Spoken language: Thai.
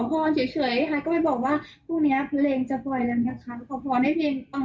ขอพรเฉยให้ให้บอกว่า